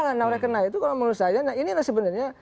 nah ini persoalan nah kalau menurut saya ini sebenarnya